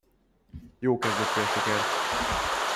Jó kezdet fél siker.